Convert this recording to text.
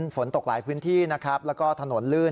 ฝนตกหลายพื้นที่นะครับแล้วก็ถนนลื่น